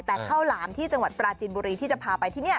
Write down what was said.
แต่ข้าวหลามที่จังหวัดปราจินบุรีที่จะพาไปที่นี่